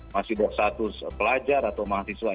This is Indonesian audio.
masih bersatu pelajar atau mahasiswa